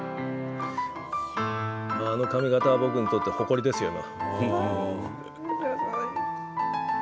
あの髪形は僕にとって誇りですよね。